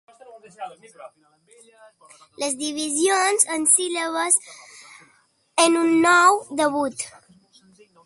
Les divisions en síl·labes en un nou debut.